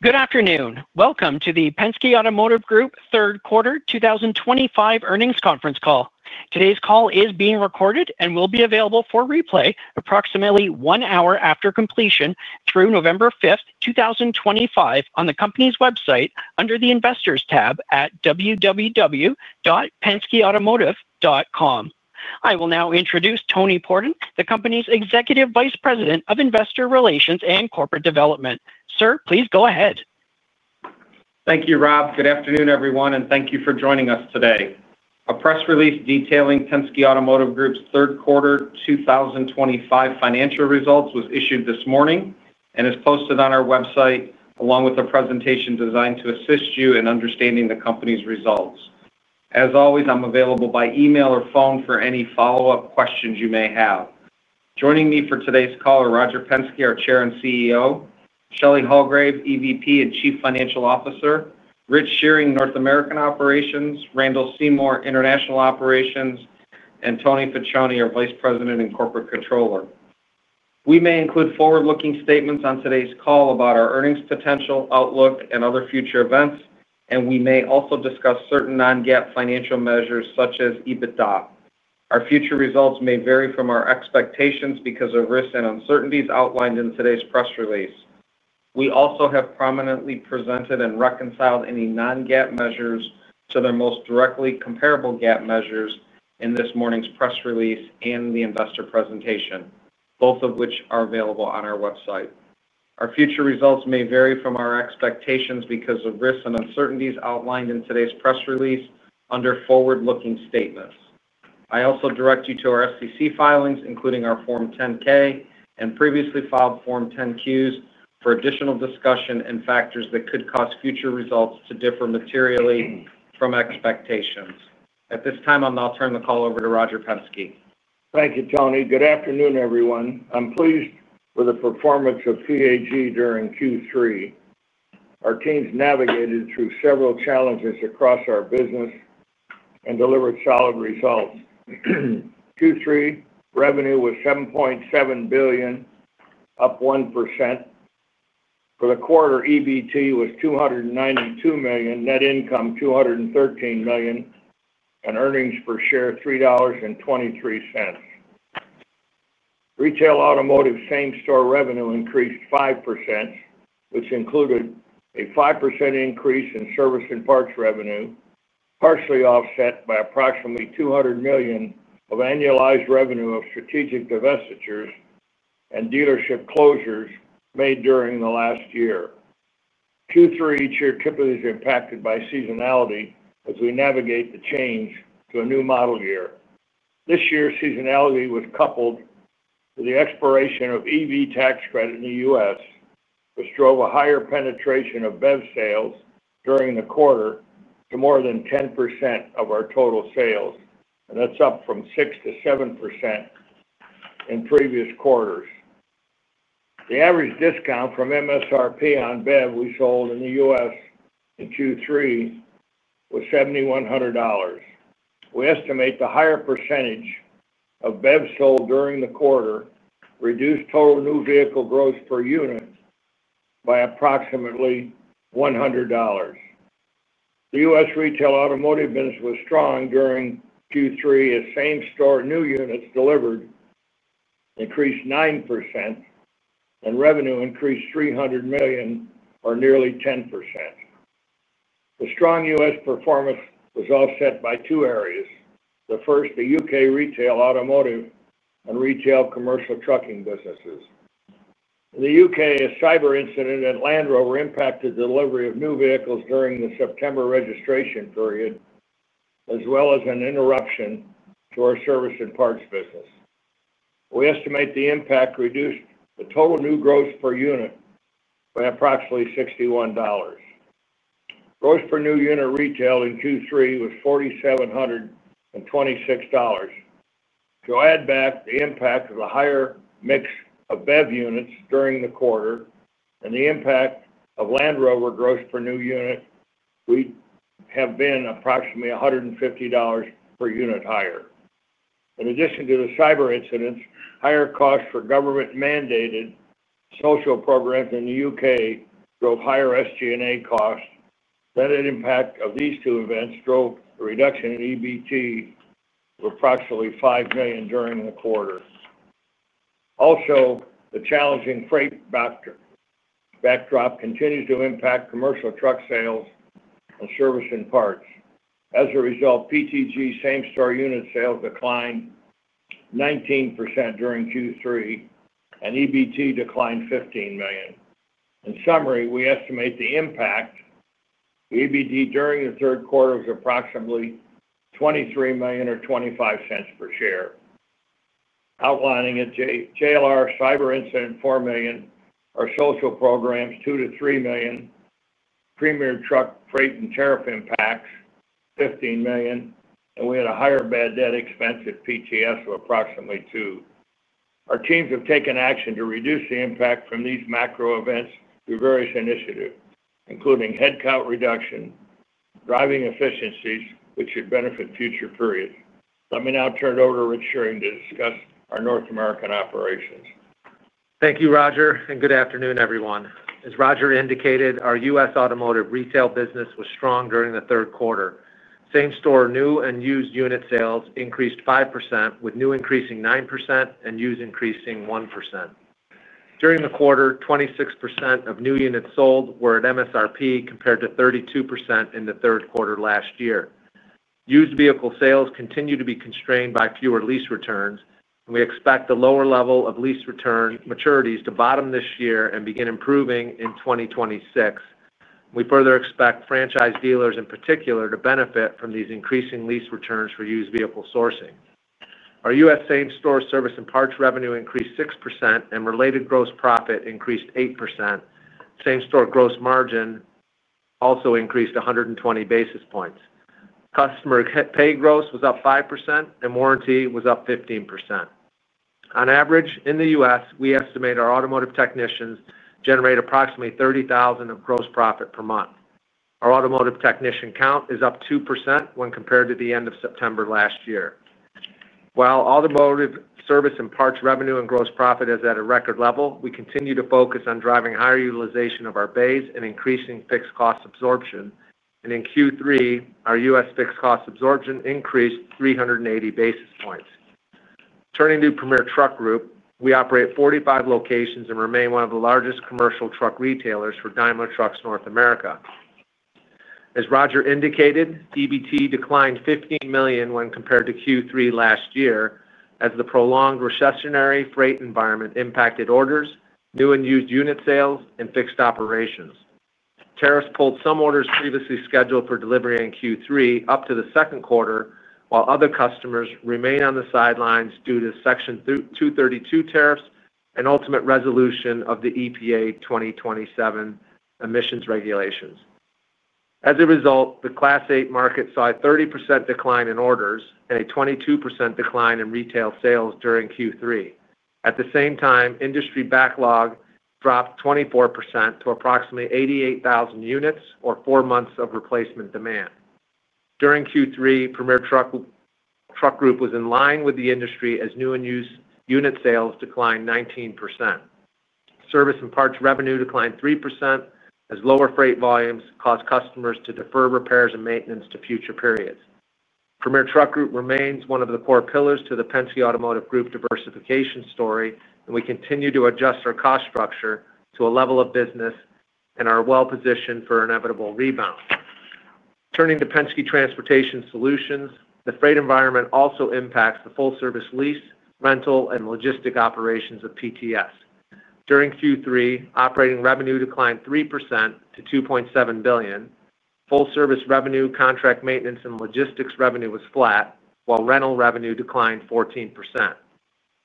Good afternoon. Welcome to the Penske Automotive Group Third Quarter 2025 Earnings Conference Call. Today's call is being recorded and will be available for replay approximately one hour after completion through November 5, 2025, on the company's website under the Investors tab at www.penskeautomotive.com. I will now introduce Tony Pordon, the company's Executive Vice President of Investor Relations and Corporate Development. Sir, please go ahead. Thank you, Rob. Good afternoon, everyone, and thank you for joining us today. A press release detailing Penske Automotive Group's Third Quarter 2025 financial results was issued this morning and is posted on our website, along with a presentation designed to assist you in understanding the company's results. As always, I'm available by email or phone for any follow-up questions you may have. Joining me for today's call are Roger Penske, our Chair and CEO, Shelley Hulgrave, EVP and Chief Financial Officer, Richard Shearing, North American Operations, Randall Seymore, International Operations, and Tony Facione, our Vice President and Corporate Controller. We may include forward-looking statements on today's call about our earnings potential, outlook, and other future events, and we may also discuss certain non-GAAP financial measures such as EBITDA. Our future results may vary from our expectations because of risks and uncertainties outlined in today's press release. We also have prominently presented and reconciled any non-GAAP measures to their most directly comparable GAAP measures in this morning's press release and the investor presentation, both of which are available on our website. Our future results may vary from our expectations because of risks and uncertainties outlined in today's press release under forward-looking statements. I also direct you to our SEC filings, including our Form 10-K and previously filed Form 10-Qs, for additional discussion and factors that could cause future results to differ materially from expectations. At this time, I'll now turn the call over to Roger Penske. Thank you, Tony. Good afternoon, everyone. I'm pleased with the performance of Penske Automotive Group during Q3. Our teams navigated through several challenges across our business and delivered solid results. Q3 revenue was $7.7 billion, up 1%. For the quarter, EBITDA was $292 million, net income $213 million, and earnings per share $3.23. Retail automotive same-store revenue increased 5%, which included a 5% increase in service and parts revenue, partially offset by approximately $200 million of annualized revenue of strategic divestitures and dealership closures made during the last year. Q3 each year typically is impacted by seasonality as we navigate the change to a new model year. This year, seasonality was coupled with the expiration of EV tax credit in the U.S., which drove a higher penetration of BEV sales during the quarter to more than 10% of our total sales, and that's up from 6% to 7% in previous quarters. The average discount from MSRP on BEV we sold in the U.S. in Q3 was $7,100. We estimate the higher percentage of BEVs sold during the quarter reduced total new vehicle gross per unit by approximately $100. The U.S. retail automotive business was strong during Q3 as same-store new units delivered increased 9%, and revenue increased $300 million, or nearly 10%. The strong U.S. performance was offset by two areas. The first, the UK retail automotive and retail commercial trucking businesses. In the UK, a cyber incident at Jaguar Land Rover impacted the delivery of new vehicles during the September registration period, as well as an interruption to our service and parts business. We estimate the impact reduced the total new gross per unit by approximately $61. Gross per new unit retail in Q3 was $4,726. To add back the impact of a higher mix of BEV units during the quarter and the impact of Jaguar Land Rover gross per new unit, we have been approximately $150 per unit higher. In addition to the cyber incidents, higher costs for government-mandated social programs in the UK drove higher SG&A costs. The added impact of these two events drove a reduction in EBITDA of approximately $5 million during the quarter. Also, the challenging freight backdrop continues to impact commercial truck sales and service and parts. As a result, Premier Truck Group same-store unit sales declined 19% during Q3, and EBITDA declined $15 million. In summary, we estimate the impact EBITDA during the third quarter was approximately $23 million or $0.25 per share. Outlining it, Jaguar Land Rover cyber incident, $4 million. Our social programs, $2 to $3 million. Premier Truck Group freight and tariff impacts, $15 million. We had a higher bad debt expense at Penske Transportation Solutions of approximately $2 million. Our teams have taken action to reduce the impact from these macro events through various initiatives, including headcount reduction, driving efficiencies, which should benefit future periods. Let me now turn it over to Richard Shearing to discuss our North American operations. Thank you, Roger, and good afternoon, everyone. As Roger indicated, our U.S. automotive retail business was strong during the third quarter. Same-store new and used unit sales increased 5%, with new increasing 9% and used increasing 1%. During the quarter, 26% of new units sold were at MSRP compared to 32% in the third quarter last year. Used vehicle sales continue to be constrained by fewer lease returns, and we expect the lower level of lease return maturities to bottom this year and begin improving in 2026. We further expect franchise dealers in particular to benefit from these increasing lease returns for used vehicle sourcing. Our U.S. same-store service and parts revenue increased 6%, and related gross profit increased 8%. Same-store gross margin also increased 120 basis points. Customer pay gross was up 5%, and warranty was up 15%. On average, in the U.S., we estimate our automotive technicians generate approximately $30,000 of gross profit per month. Our automotive technician count is up 2% when compared to the end of September last year. While automotive service and parts revenue and gross profit is at a record level, we continue to focus on driving higher utilization of our bays and increasing fixed cost absorption. In Q3, our U.S. fixed cost absorption increased 380 basis points. Turning to Premier Truck Group, we operate 45 locations and remain one of the largest commercial truck retailers for Daimler Trucks North America. As Roger indicated, EBITDA declined $15 million when compared to Q3 last year as the prolonged recessionary freight environment impacted orders, new and used unit sales, and fixed operations. Tariffs pulled some orders previously scheduled for delivery in Q3 up to the second quarter, while other customers remain on the sidelines due to Section 232 tariffs and ultimate resolution of the EPA 2027 emissions regulations. As a result, the Class 8 market saw a 30% decline in orders and a 22% decline in retail sales during Q3. At the same time, industry backlog dropped 24% to approximately 88,000 units or four months of replacement demand. During Q3, Premier Truck Group was in line with the industry as new and used unit sales declined 19%. Service and parts revenue declined 3% as lower freight volumes caused customers to defer repairs and maintenance to future periods. Premier Truck Group remains one of the core pillars to the Penske Automotive Group diversification story, and we continue to adjust our cost structure to a level of business and are well-positioned for an inevitable rebound. Turning to Penske Transportation Solutions, the freight environment also impacts the full-service lease, rental, and logistic operations of PTS. During Q3, operating revenue declined 3% to $2.7 billion. Full-service revenue, contract maintenance, and logistics revenue was flat, while rental revenue declined 14%.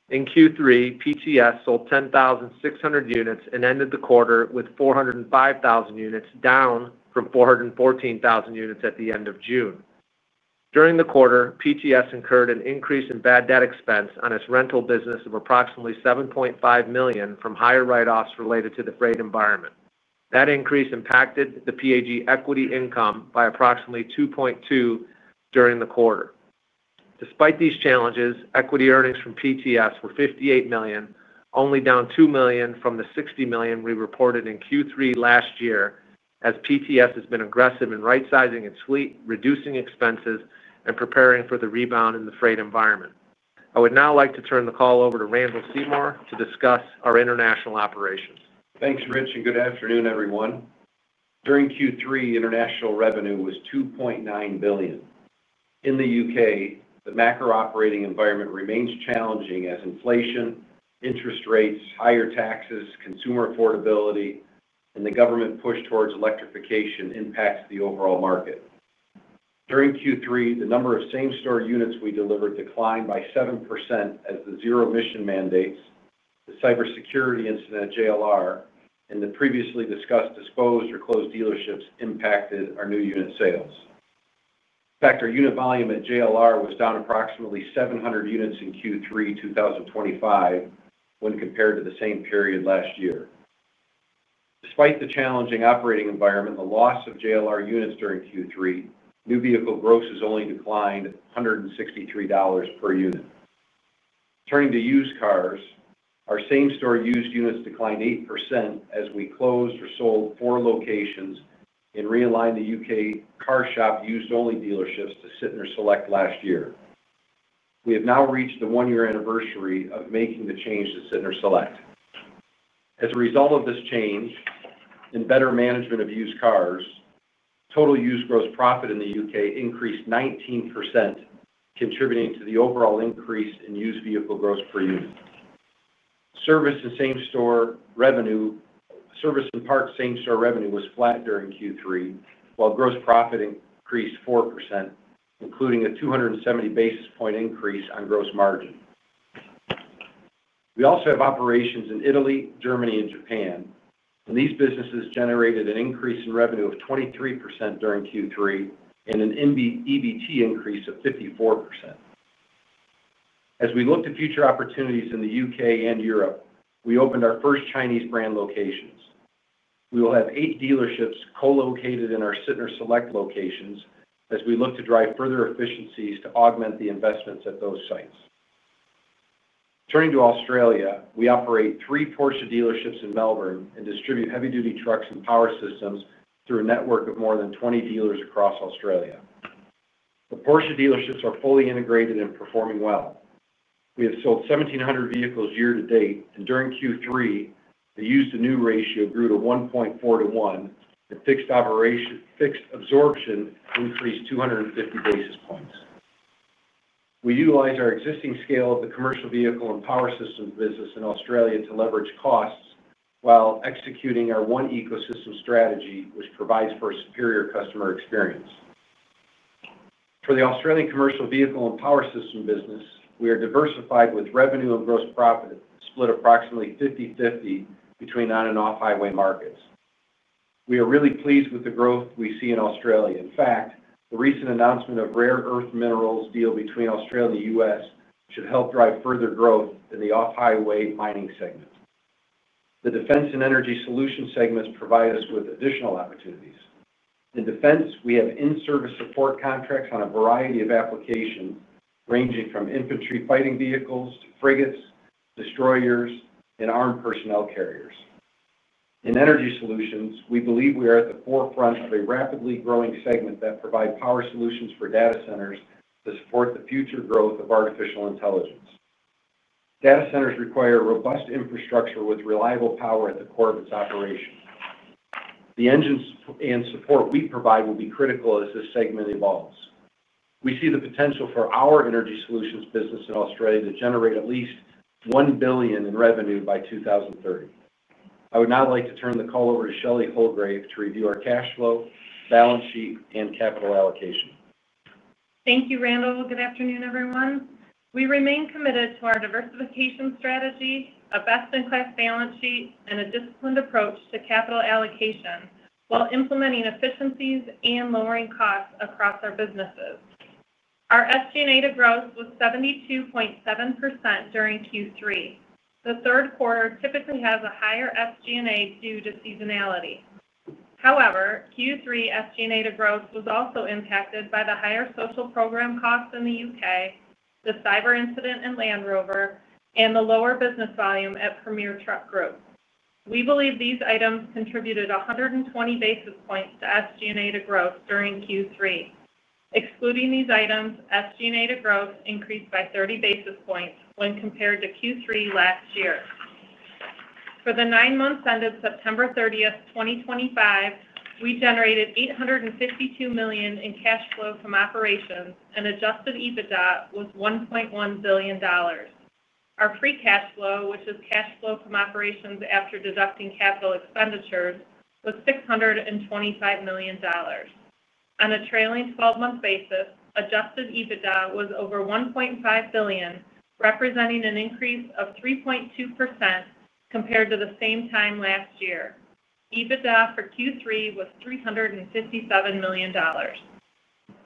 In Q3, PTS sold 10,600 units and ended the quarter with 405,000 units, down from 414,000 units at the end of June. During the quarter, PTS incurred an increase in bad debt expense on its rental business of approximately $7.5 million from higher write-offs related to the freight environment. That increase impacted the PAG equity income by approximately $2.2 million during the quarter. Despite these challenges, equity earnings from PTS were $58 million, only down $2 million from the $60 million we reported in Q3 last year, as PTS has been aggressive in right-sizing its fleet, reducing expenses, and preparing for the rebound in the freight environment. I would now like to turn the call over to Randall Seymore to discuss our international operations. Thanks, Rich, and good afternoon, everyone. During Q3, international revenue was $2.9 billion. In the UK, the macro operating environment remains challenging as inflation, interest rates, higher taxes, consumer affordability, and the government push towards electrification impacts the overall market. During Q3, the number of same-store units we delivered declined by 7% as the zero-emission mandates, the cyber incident at JLR, and the previously discussed disposed or closed dealerships impacted our new unit sales. In fact, our unit volume at JLR was down approximately 700 units in Q3 2023 when compared to the same period last year. Despite the challenging operating environment and the loss of JLR units during Q3, new vehicle gross has only declined $163 per unit. Turning to used cars, our same-store used units declined 8% as we closed or sold four locations and realigned the UK CarShop used-only dealerships to Sytner Select last year. We have now reached the one-year anniversary of making the change to Sytner Select. As a result of this change and better management of used cars, total used gross profit in the UK increased 19%, contributing to the overall increase in used vehicle gross per unit. Service and parts same-store revenue was flat during Q3, while gross profit increased 4%, including a 270 basis point increase on gross margin. We also have operations in Italy, Germany, and Japan, and these businesses generated an increase in revenue of 23% during Q3 and an EBITDA increase of 54%. As we look to future opportunities in the UK and Europe, we opened our first Chinese brand locations. We will have eight dealerships co-located in our Sytner Select locations as we look to drive further efficiencies to augment the investments at those sites. Turning to Australia, we operate three Porsche dealerships in Melbourne and distribute heavy-duty trucks and power systems through a network of more than 20 dealers across Australia. The Porsche dealerships are fully integrated and performing well. We have sold 1,700 vehicles year to date, and during Q3, the used-to-new ratio grew to 1.4 to 1, and fixed absorption increased 250 basis points. We utilize our existing scale of the commercial vehicle and power systems business in Australia to leverage costs while executing our one ecosystem strategy, which provides for a superior customer experience. For the Australian commercial vehicle and power system business, we are diversified with revenue and gross profit split approximately 50/50 between on and off-highway markets. We are really pleased with the growth we see in Australia. In fact, the recent announcement of rare earth minerals deal between Australia and the U.S. should help drive further growth in the off-highway mining segment. The defense and energy solution segments provide us with additional opportunities. In defense, we have in-service support contracts on a variety of applications ranging from infantry fighting vehicles to frigates, destroyers, and armed personnel carriers. In energy solutions, we believe we are at the forefront of a rapidly growing segment that provides power solutions for data centers to support the future growth of artificial intelligence. Data centers require robust infrastructure with reliable power at the core of its operation. The engines and support we provide will be critical as this segment evolves. We see the potential for our energy solutions business in Australia to generate at least $1 billion in revenue by 2030. I would now like to turn the call over to Shelley Hulgrave to review our cash flow, balance sheet, and capital allocation. Thank you, Randall. Good afternoon, everyone. We remain committed to our diversification strategy, a best-in-class balance sheet, and a disciplined approach to capital allocation while implementing efficiencies and lowering costs across our businesses. Our SG&A to growth was 72.7% during Q3. The third quarter typically has a higher SG&A due to seasonality. However, Q3 SG&A to growth was also impacted by the higher social program costs in the UK, the cyber incident in Jaguar Land Rover, and the lower business volume at Premier Truck Group. We believe these items contributed 120 basis points to SG&A to growth during Q3. Excluding these items, SG&A to growth increased by 30 basis points when compared to Q3 last year. For the nine months ended September 30, 2025, we generated $852 million in cash flow from operations, and adjusted EBITDA was $1.1 billion. Our free cash flow, which is cash flow from operations after deducting capital expenditures, was $625 million. On a trailing 12-month basis, adjusted EBITDA was over $1.5 billion, representing an increase of 3.2% compared to the same time last year. EBITDA for Q3 was $357 million.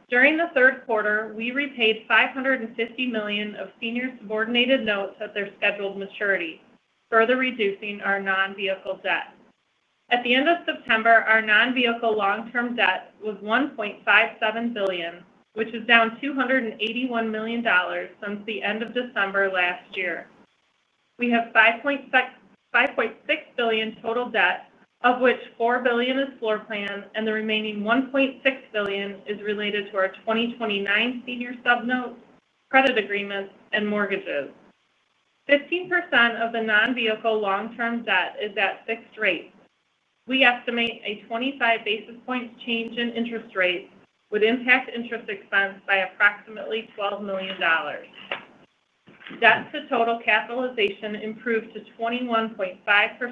During the third quarter, we repaid $550 million of senior subordinated notes at their scheduled maturity, further reducing our non-vehicle debt. At the end of September, our non-vehicle long-term debt was $1.57 billion, which is down $281 million since the end of December last year. We have $5.6 billion total debt, of which $4 billion is floor plan, and the remaining $1.6 billion is related to our 2029 senior subnote, credit agreements, and mortgages. 15% of the non-vehicle long-term debt is at fixed rates. We estimate a 25 basis points change in interest rates would impact interest expense by approximately $12 million. Debt to total capitalization improved to 21.5%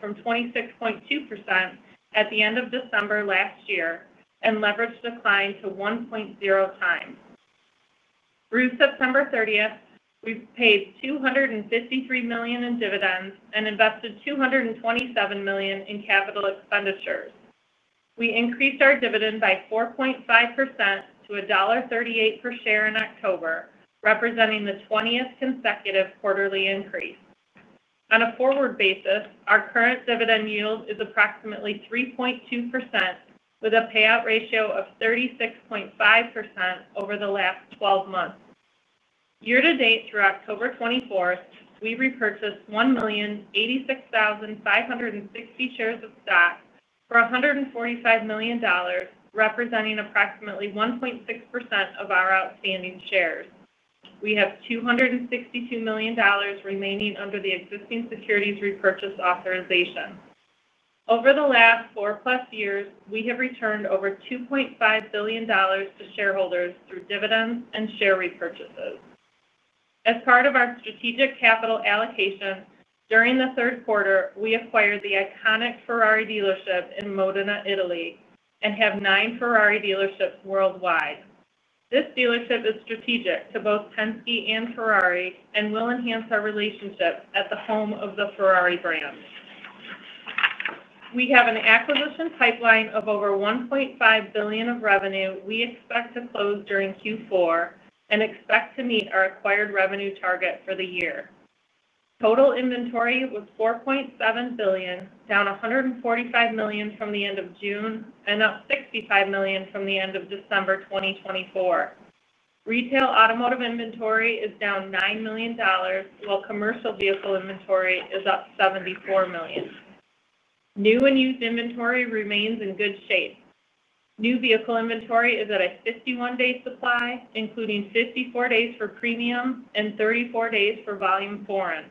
from 26.2% at the end of December last year, and leverage declined to 1.0 times. Through September 30, we've paid $253 million in dividends and invested $227 million in capital expenditures. We increased our dividend by 4.5% to $1.38 per share in October, representing the 20th consecutive quarterly increase. On a forward basis, our current dividend yield is approximately 3.2% with a payout ratio of 36.5% over the last 12 months. Year to date, through October 24, we repurchased 1,086,560 shares of stock for $145 million, representing approximately 1.6% of our outstanding shares. We have $262 million remaining under the existing securities repurchase authorization. Over the last four-plus years, we have returned over $2.5 billion to shareholders through dividends and share repurchases. As part of our strategic capital allocation during the third quarter, we acquired the iconic Ferrari dealership in Modena, Italy, and have nine Ferrari dealerships worldwide. This dealership is strategic to both Penske and Ferrari and will enhance our relationship at the home of the Ferrari brand. We have an acquisition pipeline of over $1.5 billion of revenue we expect to close during Q4 and expect to meet our acquired revenue target for the year. Total inventory was $4.7 billion, down $145 million from the end of June and up $65 million from the end of December 2024. Retail automotive inventory is down $9 million, while commercial vehicle inventory is up $74 million. New and used inventory remains in good shape. New vehicle inventory is at a 51-day supply, including 54 days for premium and 34 days for volume foreign.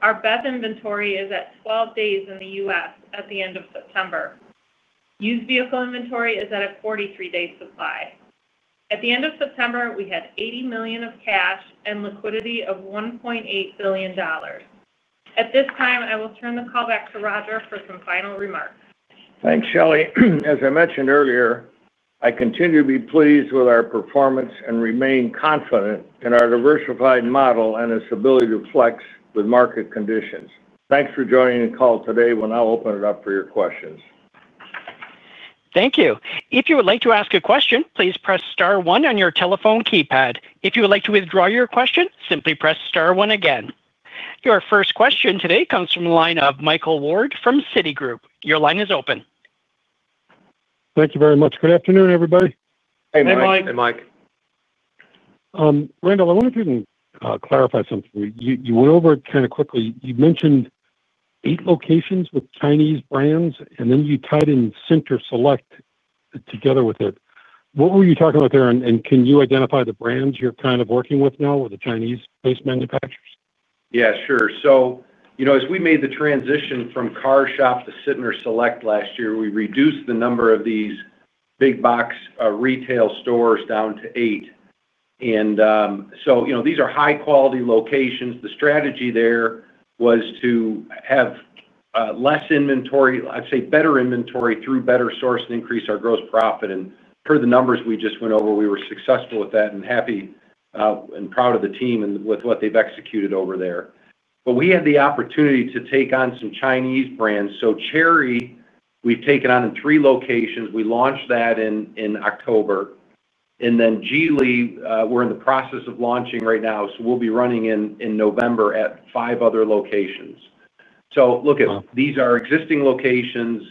Our BEV inventory is at 12 days in the U.S. at the end of September. Used vehicle inventory is at a 43-day supply. At the end of September, we had $80 million of cash and liquidity of $1.8 billion. At this time, I will turn the call back to Roger for some final remarks. Thanks, Shelley. As I mentioned earlier, I continue to be pleased with our performance and remain confident in our diversified model and its ability to flex with market conditions. Thanks for joining the call today, and I'll open it up for your questions. Thank you. If you would like to ask a question, please press star one on your telephone keypad. If you would like to withdraw your question, simply press star one again. Your first question today comes from the line of Mike Ward from Citigroup. Your line is open. Thank you very much. Good afternoon, everybody. Hey, Mike. Hey, Mike. Hey, Mike. Randall, I wonder if you can clarify something. You went over it kind of quickly. You mentioned eight locations with Chinese brands, and then you tied in Sytner Select together with it. What were you talking about there? Can you identify the brands you're kind of working with now or the Chinese-based manufacturers? Yeah, sure. As we made the transition from CarShop to Sytner Select last year, we reduced the number of these big-box retail stores down to eight. These are high-quality locations. The strategy there was to have less inventory, I'd say better inventory through better source, and increase our gross profit. Per the numbers we just went over, we were successful with that and happy and proud of the team and with what they've executed over there. We had the opportunity to take on some Chinese brands. Chery, we've taken on in three locations. We launched that in October. Geely, we're in the process of launching right now. We'll be running in November at five other locations. These are existing locations,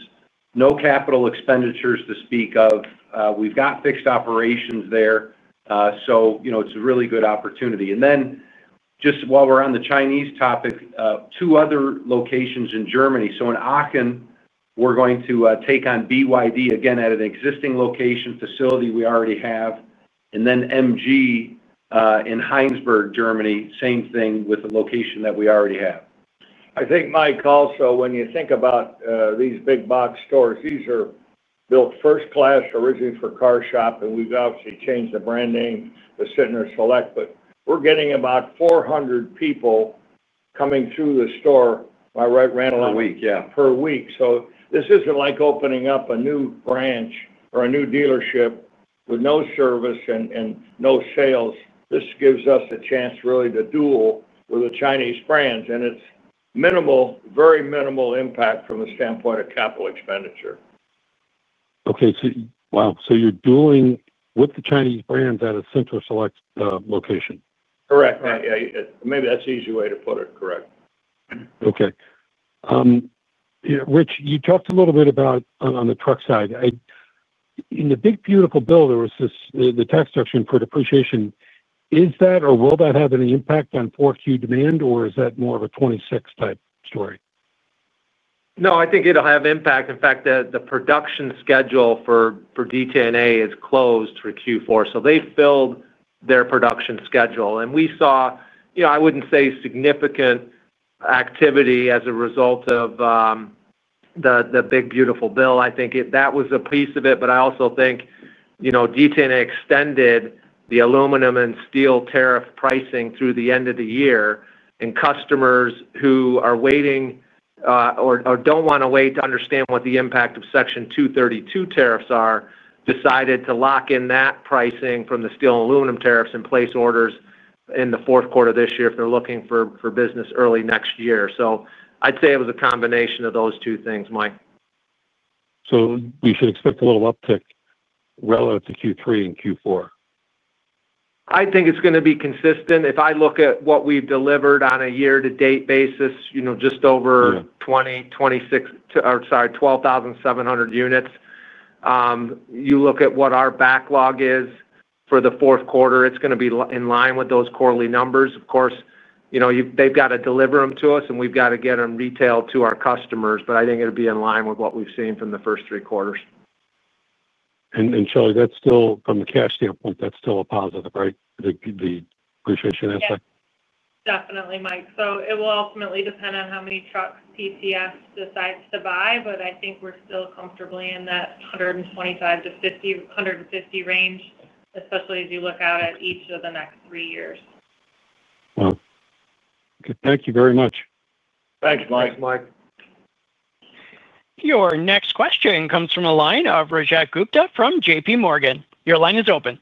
no capital expenditures to speak of. We've got fixed operations there. It's a really good opportunity. While we're on the Chinese topic, two other locations in Germany. In Aachen, we're going to take on BYD again at an existing location facility we already have. MG in Heinsberg, Germany, same thing with a location that we already have. I think, Mike, also when you think about these big-box stores, these are built first class originally for CarShop. We've obviously changed the brand name to Sytner Select. We're getting about 400 people coming through the store, am I right, Randall? Per week, yeah. Per week. This isn't like opening up a new branch or a new dealership with no service and no sales. This gives us a chance really to duel with the Chinese brands. It's minimal, very minimal impact from the standpoint of capital expenditure. Okay. Wow. You're dueling with the Chinese brands at a Sytner Select location. Correct. Yeah, maybe that's the easy way to put it. Correct. Okay. Yeah, Rich, you talked a little bit about on the truck side. In the big beautiful build, there was the tax deduction for depreciation. Is that or will that have any impact on 4Q demand, or is that more of a 2026 type story? No, I think it'll have impact. In fact, the production schedule for DTNA is closed for Q4. They filled their production schedule. We saw, you know, I wouldn't say significant activity as a result of the big beautiful build. I think that was a piece of it. I also think DTNA extended the aluminum and steel tariff pricing through the end of the year. Customers who are waiting or don't want to wait to understand what the impact of Section 232 tariffs are decided to lock in that pricing from the steel and aluminum tariffs and place orders in the fourth quarter of this year if they're looking for business early next year. I'd say it was a combination of those two things, Mike. We should expect a little uptick relative to Q3 and Q4. I think it's going to be consistent. If I look at what we've delivered on a year-to-date basis, just over 12,700 units. You look at what our backlog is for the fourth quarter, it's going to be in line with those quarterly numbers. Of course, they've got to deliver them to us, and we've got to get them retailed to our customers. I think it'll be in line with what we've seen from the first three quarters. Shelley, that's still from a cash standpoint, that's still a positive, right? The depreciation aspect. Definitely, Mike. It will ultimately depend on how many trucks PTS decides to buy, but I think we're still comfortably in that 125 to 150 range, especially as you look out at each of the next three years. Wow. Okay. Thank you very much. Thanks, Mike. Thanks, Mike. Your next question comes from a line of Rajat Gupta from JPMorgan. Your line is open.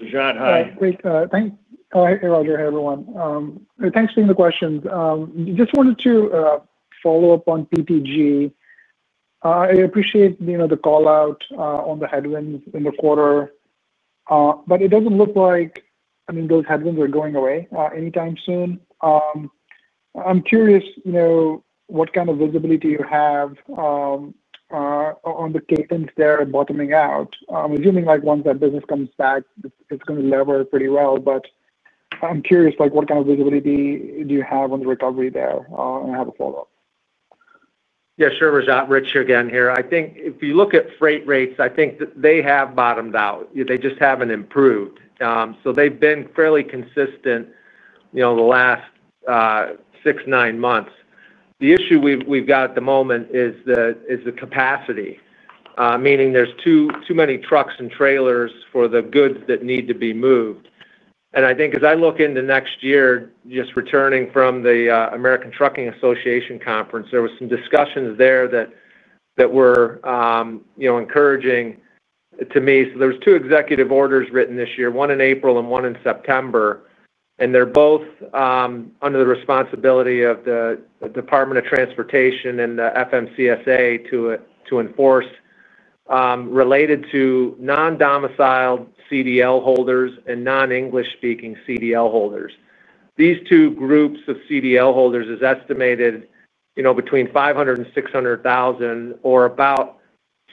Rajat, hi. Hey, great. Thanks. Oh, hey, hey Roger. Hey, everyone. Thanks for seeing the questions. I just wanted to follow up on PTG. I appreciate, you know, the callout on the headwinds in the quarter, but it doesn't look like, I mean, those headwinds are going away anytime soon. I'm curious, you know, what kind of visibility do you have on the cadence there bottoming out? I'm assuming like once that business comes back, it's going to lever pretty well. I'm curious, like what kind of visibility do you have on the recovery there? I have a follow-up. Yeah, sure, Rajat. Rich again here. I think if you look at freight rates, I think that they have bottomed out. They just haven't improved. They've been fairly consistent the last six, nine months. The issue we've got at the moment is the capacity, meaning there's too many trucks and trailers for the goods that need to be moved. I think as I look into next year, just returning from the American Trucking Association conference, there were some discussions there that were encouraging to me. There were two executive orders written this year, one in April and one in September. They're both under the responsibility of the Department of Transportation and the FMCSA to enforce, related to non-domiciled CDL holders and non-English-speaking CDL holders. These two groups of CDL holders are estimated between 500,000 and 600,000 or about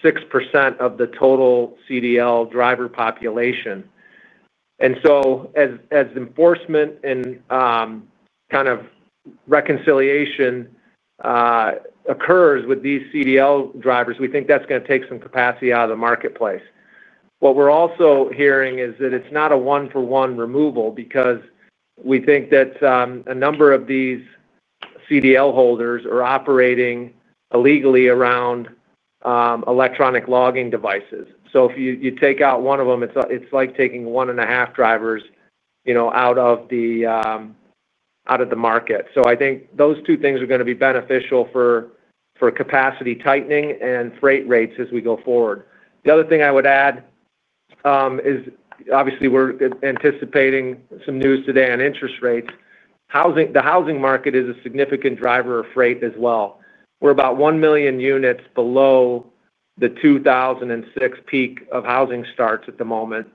6% of the total CDL driver population. As enforcement and reconciliation occurs with these CDL drivers, we think that's going to take some capacity out of the marketplace. What we're also hearing is that it's not a one-for-one removal because we think that a number of these CDL holders are operating illegally around electronic logging devices. If you take out one of them, it's like taking one and a half drivers out of the market. I think those two things are going to be beneficial for capacity tightening and freight rates as we go forward. The other thing I would add is obviously we're anticipating some news today on interest rates. The housing market is a significant driver of freight as well. We're about 1 million units below the 2006 peak of housing starts at the moment.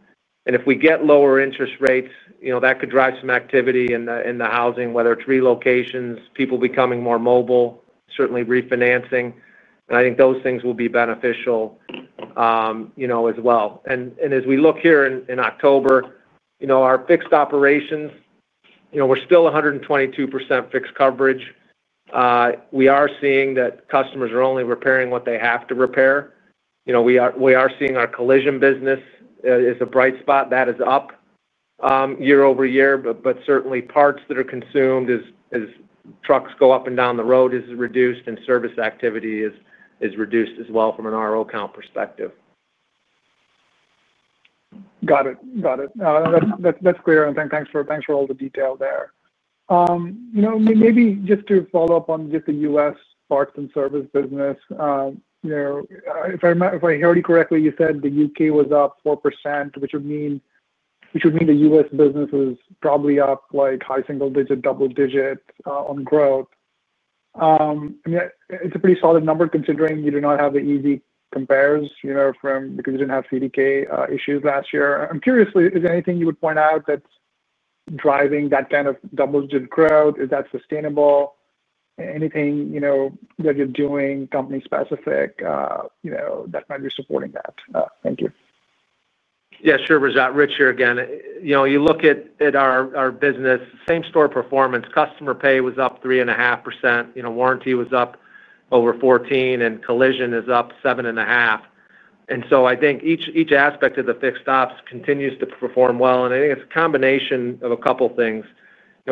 If we get lower interest rates, that could drive some activity in the housing, whether it's relocations, people becoming more mobile, certainly refinancing. I think those things will be beneficial as well. As we look here in October, our fixed operations, we're still 122% fixed coverage. We are seeing that customers are only repairing what they have to repair. We are seeing our collision business is a bright spot that is up year over year. Certainly, parts that are consumed as trucks go up and down the road is reduced and service activity is reduced as well from an RO count perspective. Got it. That's clear. Thanks for all the detail there. Maybe just to follow up on the U.S. parts and service business, if I heard you correctly, you said the UK was up 4%, which would mean the U.S. business was probably up like high single-digit, double-digit on growth. It's a pretty solid number considering you do not have the easy compares from because you didn't have CDK issues last year. I'm curious, is there anything you would point out that's driving that kind of double-digit growth? Is that sustainable? Anything that you're doing company-specific that might be supporting that? Thank you. Yeah, sure, Rajat. Rich here again. You look at our business, same-store performance. Customer pay was up 3.5%. Warranty was up over 14% and collision is up 7.5%. I think each aspect of the fixed stops continues to perform well. I think it's a combination of a couple of things.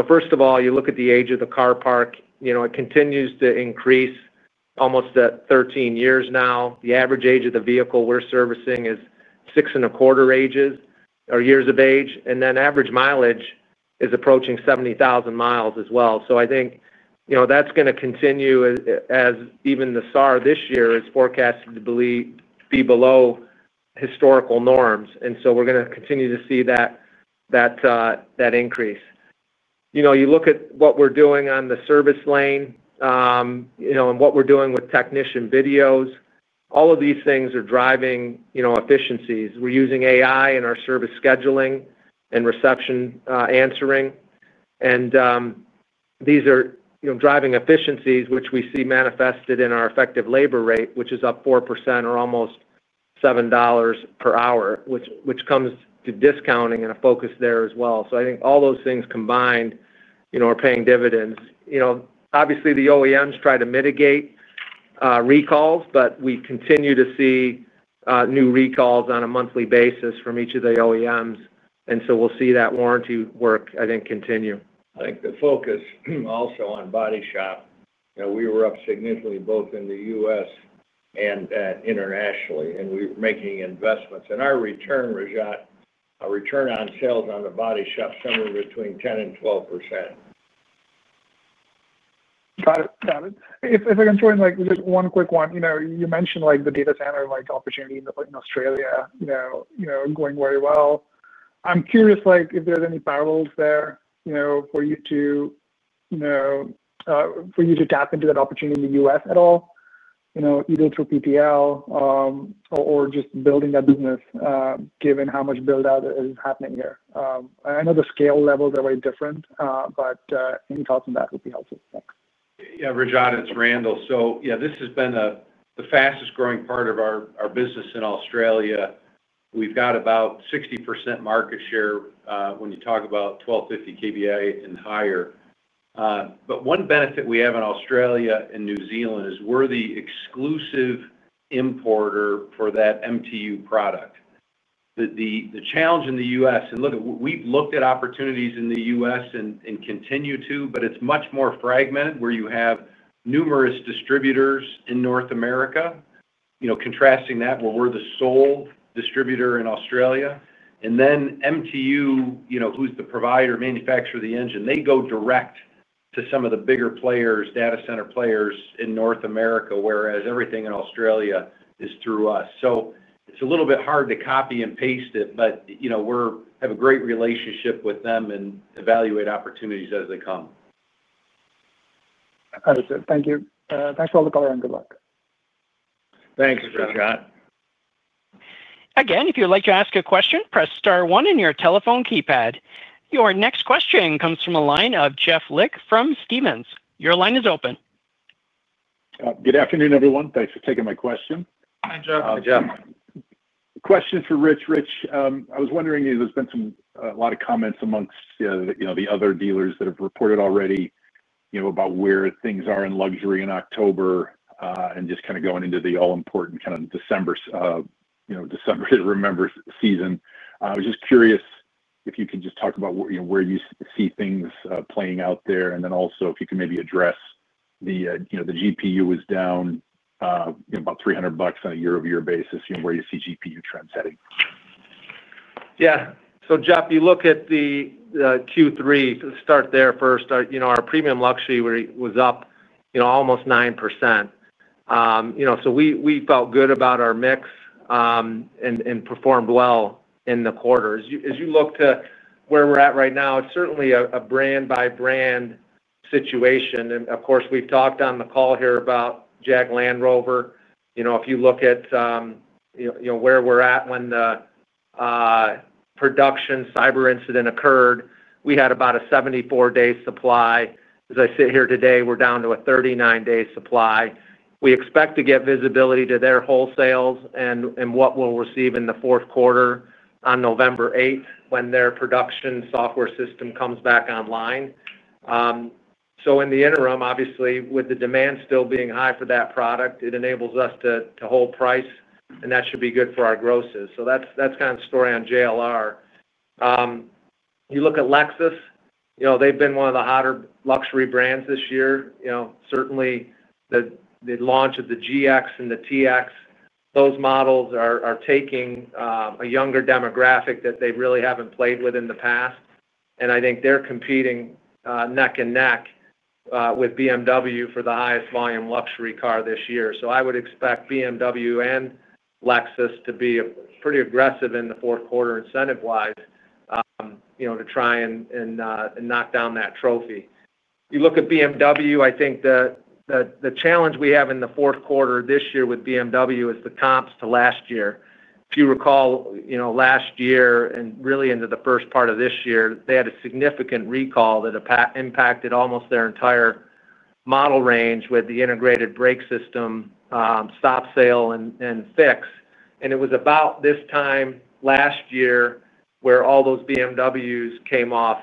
First of all, you look at the age of the car park. It continues to increase, almost at 13 years now. The average age of the vehicle we're servicing is six and a quarter years of age. Average mileage is approaching 70,000 miles as well. I think that's going to continue as even the SAR this year is forecasted to be below historical norms. We're going to continue to see that increase. You look at what we're doing on the service lane and what we're doing with technician videos. All of these things are driving efficiencies. We're using AI in our service scheduling and reception answering. These are driving efficiencies, which we see manifested in our effective labor rate, which is up 4% or almost $7 per hour, which comes to discounting and a focus there as well. I think all those things combined are paying dividends. Obviously, the OEMs try to mitigate recalls, but we continue to see new recalls on a monthly basis from each of the OEMs. We'll see that warranty work, I think, continue. I think the focus also on body shop, you know, we were up significantly both in the U.S. and internationally. We were making investments, and our return, Rajat, our return on sales on the body shop is somewhere between 10% and 12%. Got it. If I can join, just one quick one. You mentioned the data center opportunity in Australia going very well. I'm curious if there's any parallels there for you to tap into that opportunity in the U.S. at all, either through PTS or just building that business, given how much build-out is happening here. I know the scale levels are very different, but any thoughts on that would be helpful. Thanks. Yeah, Rajat, it's Randall. This has been the fastest growing part of our business in Australia. We've got about 60% market share when you talk about 1,250 KBA and higher. One benefit we have in Australia and New Zealand is we're the exclusive importer for that MTU product. The challenge in the U.S., and look, we've looked at opportunities in the U.S. and continue to, is it's much more fragmented where you have numerous distributors in North America, contrasting that with where we're the sole distributor in Australia. MTU, who's the provider, manufacturer of the engine, goes direct to some of the bigger players, data center players in North America, whereas everything in Australia is through us. It's a little bit hard to copy and paste it, but we have a great relationship with them and evaluate opportunities as they come. Understood. Thank you. Thanks for all the color and good luck. Thanks, Rajat. Again, if you'd like to ask a question, press star one on your telephone keypad. Your next question comes from the line of Jeff Selig from Stephens. Your line is open. Good afternoon, everyone. Thanks for taking my question. Hi, Jeff. Hi, Jeff. Question for Rich. Rich, I was wondering, there's been a lot of comments amongst the other dealers that have reported already about where things are in luxury in October, and just kind of going into the all-important kind of December, you know, December to remember season. I was just curious if you could just talk about where you see things playing out there. Also, if you can maybe address the GPU is down about $300 on a year-over-year basis, where you see GPU trends heading. Yeah. So Jeff, you look at the Q3, let's start there first. Our premium luxury was up almost 9%. We felt good about our mix and performed well in the quarter. As you look to where we're at right now, it's certainly a brand-by-brand situation. Of course, we've talked on the call here about Jaguar Land Rover. If you look at where we're at when the production cyber incident occurred, we had about a 74-day supply. As I sit here today, we're down to a 39-day supply. We expect to get visibility to their wholesales and what we'll receive in the fourth quarter on November 8th when their production software system comes back online. In the interim, obviously, with the demand still being high for that product, it enables us to hold price, and that should be good for our grosses. That's kind of the story on JLR. You look at Lexus, they've been one of the hotter luxury brands this year. Certainly, the launch of the GX and the TX, those models are taking a younger demographic that they really haven't played with in the past. I think they're competing neck and neck with BMW for the highest volume luxury car this year. I would expect BMW and Lexus to be pretty aggressive in the fourth quarter incentive-wise to try and knock down that trophy. You look at BMW, I think the challenge we have in the fourth quarter this year with BMW is the comps to last year. If you recall, last year and really into the first part of this year, they had a significant recall that impacted almost their entire model range with the integrated brake system, stop sale and fix. It was about this time last year where all those BMWs came off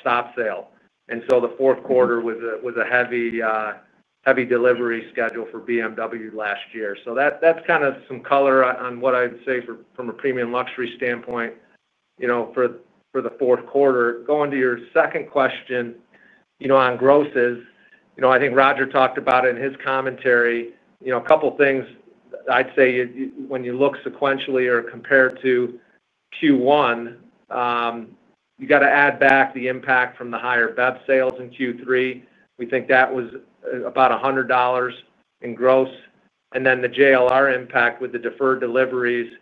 stop sale, and so the fourth quarter was a heavy, heavy delivery schedule for BMW last year. That's kind of some color on what I'd say from a premium luxury standpoint for the fourth quarter. Going to your second question on grosses, I think Roger talked about it in his commentary. A couple of things I'd say when you look sequentially or compared to Q1, you got to add back the impact from the higher BEV sales in Q3. We think that was about $100 in gross. The JLR impact with the deferred deliveries,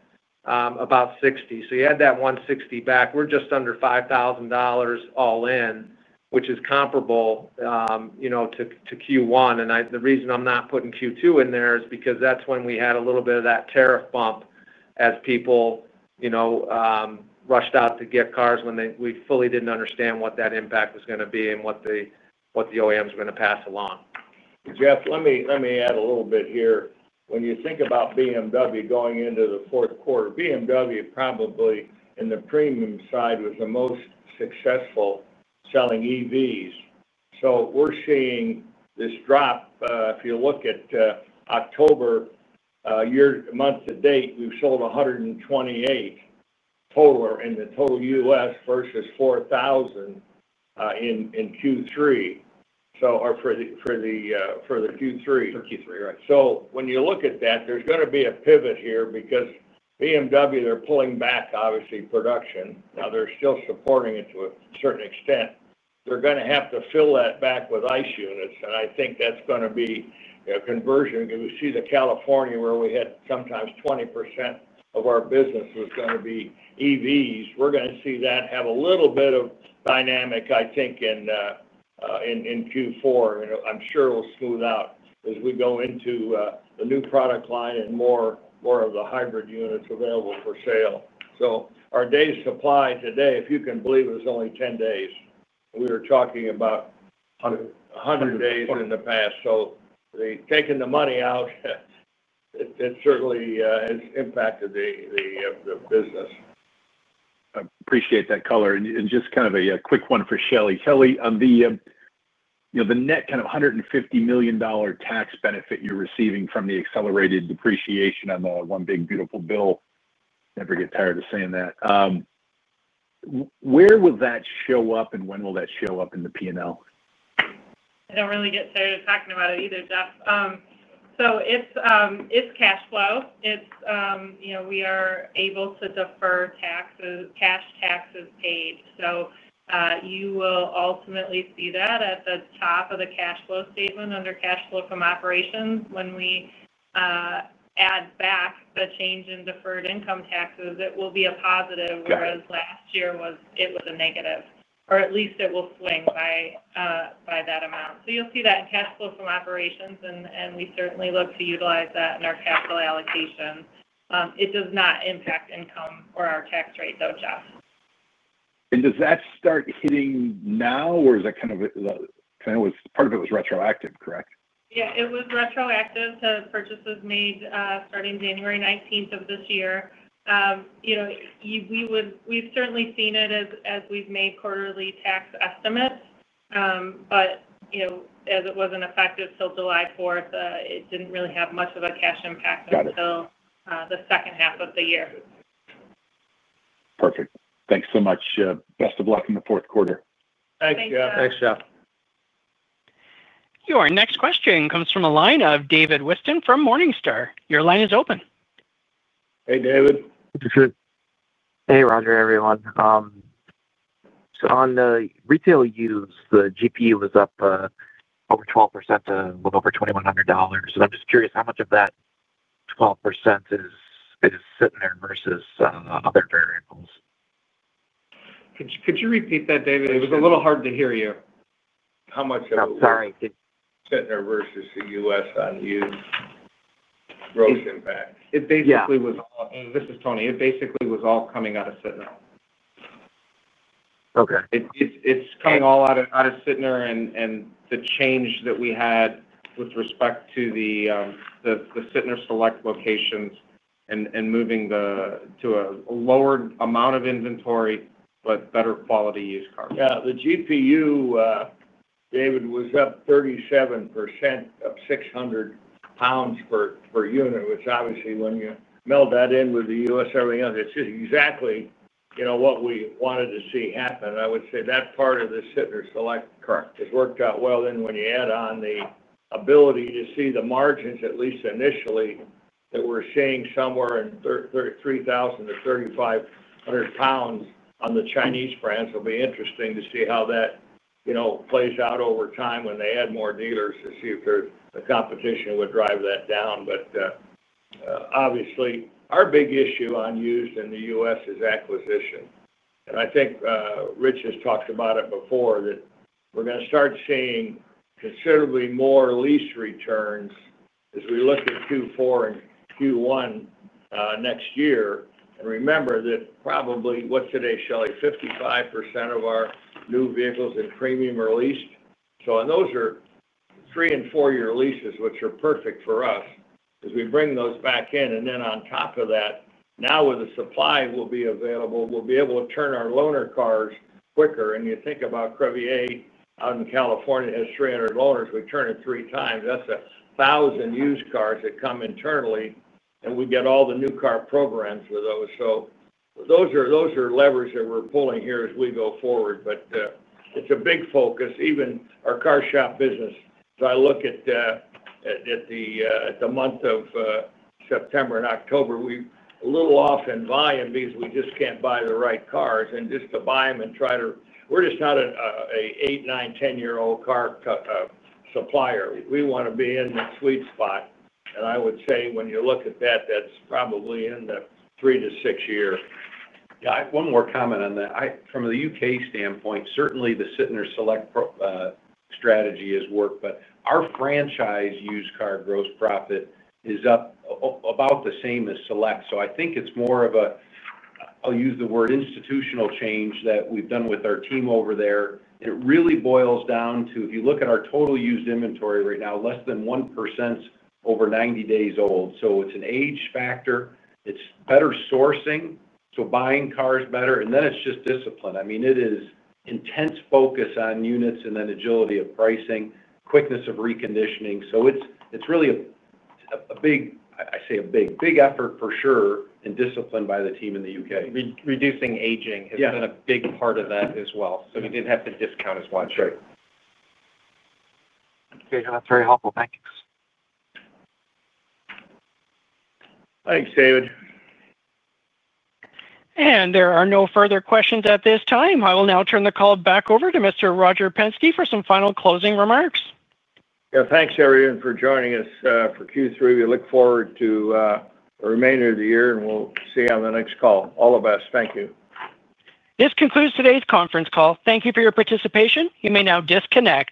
about $60. You add that $160 back, we're just under $5,000 all in, which is comparable to Q1. The reason I'm not putting Q2 in there is because that's when we had a little bit of that tariff bump, as people, you know, rushed out to get cars when they fully didn't understand what that impact was going to be and what the OEMs were going to pass along. Jeff, let me add a little bit here. When you think about BMW going into the fourth quarter, BMW probably in the premium side was the most successful selling EVs. We're seeing this drop. If you look at October, year month to date, we've sold 128 total in the total U.S. versus 4,000 in Q3, for the Q3. For Q3, right. When you look at that, there's going to be a pivot here because BMW, they're pulling back, obviously, production. Now they're still supporting it to a certain extent. They're going to have to fill that back with ICE units. I think that's going to be, you know, conversion because we see California where we had sometimes 20% of our business was going to be EVs. We're going to see that have a little bit of dynamic, I think, in Q4. I'm sure it'll smooth out as we go into the new product line and more of the hybrid units available for sale. Our day supply today, if you can believe it, it was only 10 days. We were talking about 100 days in the past. They've taken the money out. It certainly has impacted the business. I appreciate that color. Just kind of a quick one for Shelley. Shelley, on the net kind of $150 million tax benefit you're receiving from the accelerated depreciation on the One Big Beautiful Bill, never get tired of saying that. Where will that show up and when will that show up in the P&L? I don't really get tired of talking about it either, Jeff. It's cash flow. We are able to defer taxes, cash taxes paid. You will ultimately see that at the top of the cash flow statement under cash flow from operations. When we add back the change in deferred income taxes, it will be a positive, whereas last year it was a negative, or at least it will swing by that amount. You'll see that in cash flow from operations. We certainly look to utilize that in our capital allocation. It does not impact income or our tax rate, though, Jeff. Does that start hitting now, or was part of it retroactive, correct? Yeah, it was retroactive to purchases made starting January 19th of this year. We've certainly seen it as we've made quarterly tax estimates, but as it wasn't effective till July 4th, it didn't really have much of a cash impact until the second half of the year. Perfect. Thanks so much. Best of luck in the fourth quarter. Thanks, Jeff. Thanks, Jeff. Your next question comes from a line of David Whiston from Morningstar. Your line is open. Hey, David. Hey, Roger, everyone. On the retail used, the GPU was up over 12% to a little over $2,100. I'm just curious how much of that 12% is sitting there versus other variables. Could you repeat that, David? It was a little hard to hear you. How much of it? No, sorry. Sytner versus the U.S. on used gross impact. It basically was all, and this is Tony. It basically was all coming out of Sytner. Okay. It's coming all out of Sytner and the change that we had with respect to the Sytner Select locations and moving to a lower amount of inventory, but better quality used cars. Yeah, the GPU, David, was up 37%, up £600 per unit, which obviously when you meld that in with the U.S. and everything else, it's just exactly, you know, what we wanted to see happen. I would say that part of the Sytner Select has worked out well. When you add on the ability to see the margins, at least initially, that we're seeing somewhere in £3,000 to £3,500 on the Chinese brands, it'll be interesting to see how that, you know, plays out over time when they add more dealers to see if there's a competition that would drive that down. Obviously, our big issue on used in the U.S. is acquisition. I think Rich has talked about it before that we're going to start seeing considerably more lease returns as we look at Q4 and Q1 next year. Remember that probably, what's today, Shelley? 55% of our new vehicles in premium are leased. On those are three and four-year leases, which are perfect for us as we bring those back in. On top of that, now with the supply we'll be available, we'll be able to turn our loaner cars quicker. You think about Crevier out in California has 300 loaners. We turn it three times. That's 1,000 used cars that come internally. We get all the new car programs with those. Those are levers that we're pulling here as we go forward. It's a big focus. Even our CarShop business, if I look at the month of September and October, we're a little off in volume because we just can't buy the right cars. Just to buy them and try to, we're just not an eight, nine, ten-year-old car supplier. We want to be in the sweet spot. I would say when you look at that, that's probably in the three to six-year. Yeah, one more comment on that. From the UK standpoint, certainly the Sytner Select strategy has worked. Our franchise used car gross profit is up about the same as Select. I think it's more of a, I'll use the word, institutional change that we've done with our team over there. It really boils down to, if you look at our total used inventory right now, less than 1% is over 90 days old. It's an age factor. It's better sourcing, so buying cars better, and then it's just discipline. I mean, it is intense focus on units and then agility of pricing, quickness of reconditioning. It's really a big, I say a big, big effort for sure and discipline by the team in the UK. Reducing aging has been a big part of that as well. We didn't have to discount as much. Right. Okay. No, that's very helpful. Thanks. Thanks, David. There are no further questions at this time. I will now turn the call back over to Mr. Roger Penske for some final closing remarks. Yeah, thanks, everyone, for joining us for Q3. We look forward to the remainder of the year, and we'll see you on the next call. All the best. Thank you. This concludes today's conference call. Thank you for your participation. You may now disconnect.